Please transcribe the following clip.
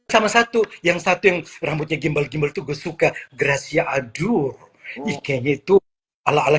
sama satu yang satu yang rambutnya gimbal gimbal tuh gue suka gracia adu ike itu ala ala